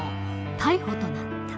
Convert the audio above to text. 逮捕となった。